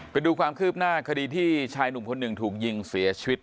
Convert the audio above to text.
ไปดูความคืบหน้าคดีที่ชายหนุ่มคนหนึ่งถูกยิงเสียชีวิต